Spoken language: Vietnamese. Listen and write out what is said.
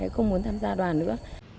không tham gia đoàn nữa